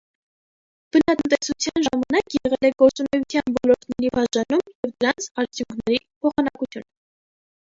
Բնատնտեսության ժամանակ եղել է գործունեության ոլորտների բաժանում և դրանց արդյունքների փոխանակություն։